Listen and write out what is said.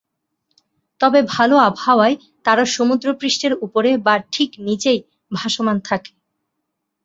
তবে ভালো আবহাওয়ায় তারা সমুদ্রপৃষ্ঠের উপরে বা ঠিক নিচেই ভাসমান থাকে।